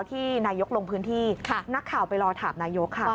ที่นายกลงพื้นที่นักข่าวไปรอถามนายกค่ะ